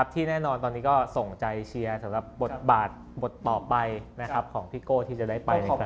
ที่แน่นอนตอนนี้ก็ส่งใจเชียร์สำหรับบทบาทบทต่อไปของพี่โก้ที่จะได้ไปด้วยกัน